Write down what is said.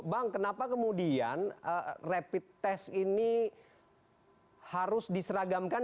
bang kenapa kemudian rapid test ini harus diseragamkan